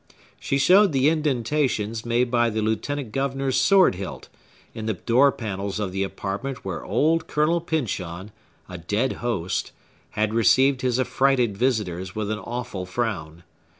She showed the indentations made by the lieutenant governor's sword hilt in the door panels of the apartment where old Colonel Pyncheon, a dead host, had received his affrighted visitors with an awful frown.